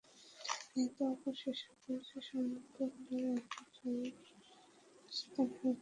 নিহত অপর শিশুর পরিচয় সম্পর্কে বলার আগেই ফারুক অচেতন হয়ে পড়েন।